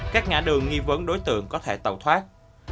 các ngã đường nghi vấn đối tượng có thể tẩu thoát